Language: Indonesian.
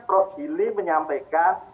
prof gili menyampaikan